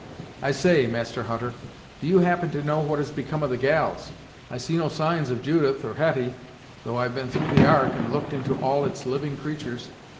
I say, Master Hutter, do you happen to know what has become of the gals I see no signs of Judith, or Hetty, though I've been through the Ark, and looked into all its living creatur's."